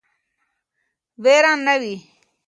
ویر نه وي.